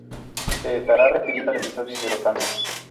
Se estará refiriendo al episodio de los Andes.